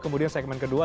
kemudian segmen kedua